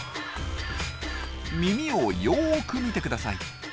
耳をよく見てください。